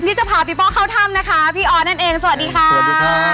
ที่จะพาปีโป้เข้าถ้ำนะคะพี่ออร์นั่นเองสวัสดีค่ะสวัสดีครับ